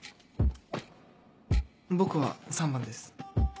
僕は３番です。